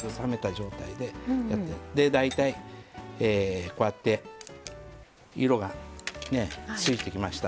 大体こうやって色がついてきました。